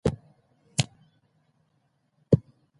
علامه حبيبي د علم له لارې بدلون غوښت.